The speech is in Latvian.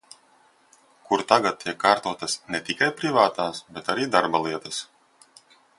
Kur tagad tiek kārtotas ne tikai privātās, bet arī darba lietas.